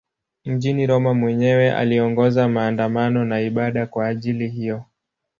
Mjini Roma mwenyewe aliongoza maandamano ya ibada kwa ajili hiyo.